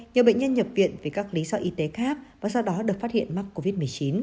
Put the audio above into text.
nhiều bệnh nhân nhập viện vì các lý do y tế khác và sau đó được phát hiện mắc covid một mươi chín